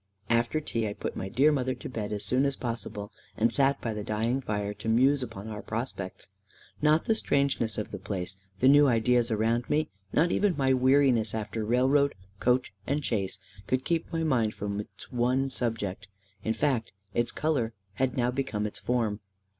After tea, I put my dear mother to bed as soon as possible, and sat by the dying fire to muse upon our prospects. Not the strangeness of the place, the new ideas around me, not even my weariness after railroad, coach, and chaise, could keep my mind from its one subject. In fact, its colour had now become its form.